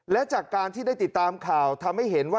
และจากการที่ได้ติดตามข่าวทำให้เห็นว่า